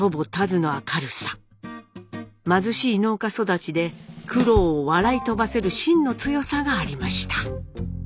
貧しい農家育ちで苦労を笑い飛ばせるしんの強さがありました。